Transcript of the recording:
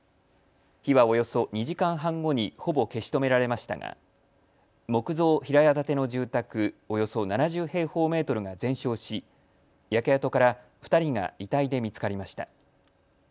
火は、およそ２時間半後にほぼ消し止められましたが木造平屋建ての住宅およそ７０平方メートルが全焼し焼け跡から２人が遺体で見つかりました。